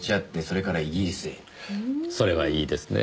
それはいいですねぇ。